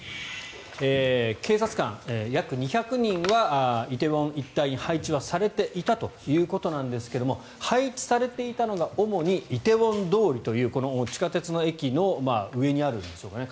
警察官約２００人は梨泰院一帯に配置されていたということですが配置されていたのが主に梨泰院通りというこの地下鉄の駅の上にあるんでしょうかね